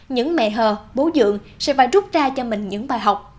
những mẹ hờ bố dượng sẽ phải rút ra cho mình những bài học